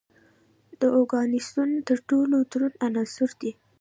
د اوګانیسون تر ټولو دروند عنصر دی.